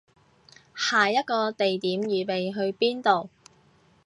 下一個地點預備去邊度